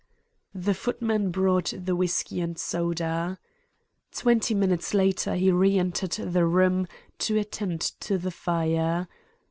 "The footman brought the whisky and soda. "Twenty minutes later he re entered the room to attend to the fire.